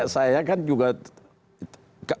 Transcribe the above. saya kan juga